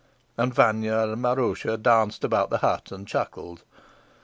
And Vanya and Maroosia danced about the hut and chuckled.